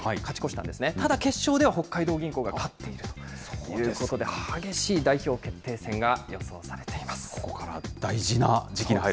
ただ、決勝では北海道銀行が勝っているということで、激しい代表決定戦が予想されています。